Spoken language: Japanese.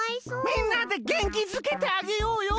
みんなでげんきづけてあげようよ。